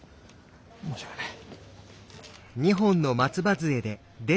申し訳ない。